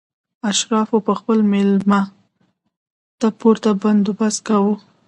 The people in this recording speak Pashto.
اشرافي به خپل مېلمه ته پوره بندوبست کاوه.